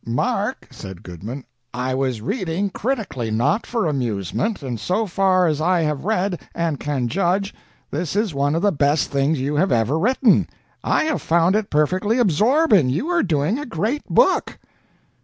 "Mark," said Goodman, "I was reading critically, not for amusement, and so far as I have read, and can judge, this is one of the best things you have ever written. I have found it perfectly absorbing. You are doing a great book!"